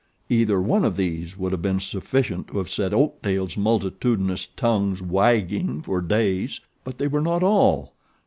Either one of these would have been sufficient to have set Oakdale's multitudinous tongues wagging for days; but they were not all.